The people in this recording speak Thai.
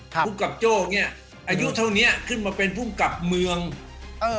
ภูมิกับโจ้เนี้ยอายุเท่านี้ขึ้นมาเป็นภูมิกับเมืองเออ